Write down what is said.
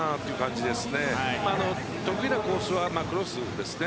得意なコースはクロスですね。